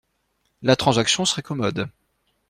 La transaction serait commode.